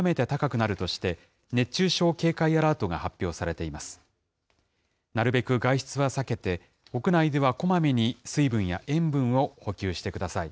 なるべく外出は避けて、屋内ではこまめに水分や塩分を補給してください。